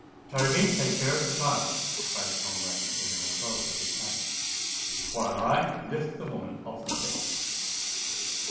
"Toby, take care of the child," cried Tom Rain in an authoritative tone; "while I lift the woman off the steps."